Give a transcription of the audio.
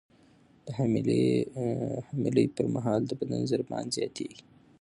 د حملې پر مهال د بدن ضربان زیاتېږي.